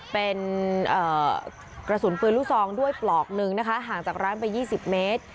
เป็นกระสุนปืนลูกซองด้วยปลอกหนึ่งนะคะห่างจากร้านไป๒๐เมตร